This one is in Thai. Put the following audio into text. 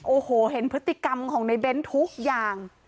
โอ้โหเห็นพฤติกรรมของในเบ้นทุกอย่าง